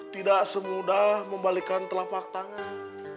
tidak semudah membalikan telapak tangan